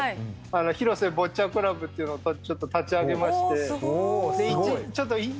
廣瀬ボッチャクラブというのをちょっと立ち上げまして。